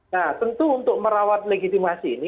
nah tentu untuk merawat legitimasi ini